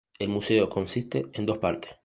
El museo consiste en dos partes.